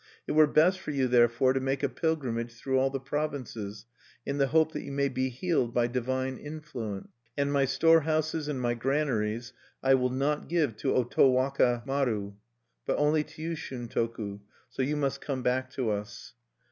"It were best for you, therefore, to make a pilgrimage through all the provinces, in the hope that you may be healed by divine influence. "And my storehouses and my granaries I will not give to Otowaka maru, but only to you, Shuntoku; so you must come back to us."